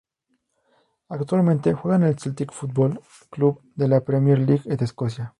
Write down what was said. Actualmente juega en el Celtic Football Club de la Premier League de Escocia.